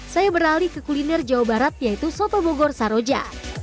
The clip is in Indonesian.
saya beralih ke kuliner jawa barat yaitu soto bogor saroja